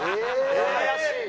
怪しいな。